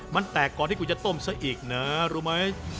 มันแตกก่อนที่คุณจะต้มซะอีกนะรู้ไหม